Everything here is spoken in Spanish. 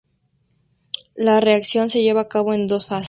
La reacción se lleva a cabo en dos fases.